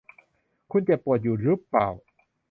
คุณเจ็บปวดอยู่รึเปล่า ?